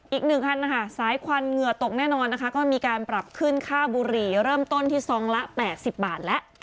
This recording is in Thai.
อีก๑คันนะคะสายควันเหงื่อตกแน่นอนนะคะก็มีการปรับขึ้นค่าบุหรี่เริ่มต้นที่ซองละ๘๐บาทแล้ว